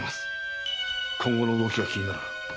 今後の動きが気になる。